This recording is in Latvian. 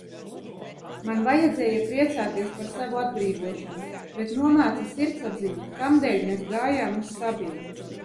Man vajadzēja priecāties par savu atbrīvošanu, bet nomāca sirdsapziņa, kamdēļ mēs gājām uz Sabili?